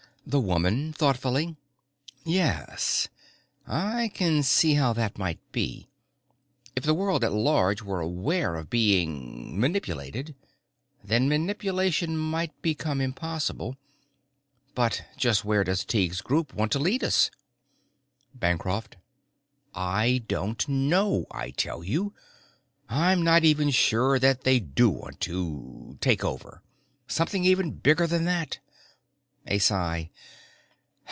The woman, thoughtfully: "Y y yes, I can see how that might be. If the world at large were aware of being manipulated then manipulation might become impossible. But just where does Tighe's group want to lead us?" Bancroft: "I don't know, I tell you. I'm not even sure that they do want to take over. Something even bigger than that." A sigh.